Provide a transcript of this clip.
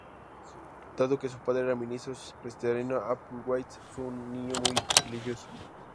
Dado que su padre era ministro presbiteriano, Applewhite fue un niño muy religioso.